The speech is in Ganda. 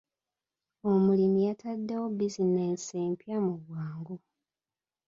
Omulimi yataddewo bizinensi empya mu bwangu.